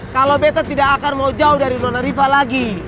kalau beta tidak akan mau jauh dari nona riva lagi